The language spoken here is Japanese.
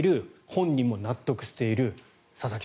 本人も納得している。